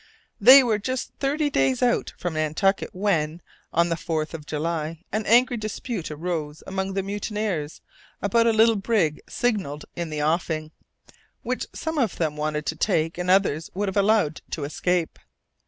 They were just thirty days out from Nantucket when, on the 4th of July, an angry dispute arose among the mutineers about a little brig signalled in the offing, which some of them wanted to take and others would have allowed to escape.